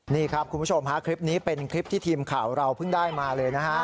นี่ครับคุณผู้ชมฮะคลิปนี้เป็นคลิปที่ทีมข่าวเราเพิ่งได้มาเลยนะฮะ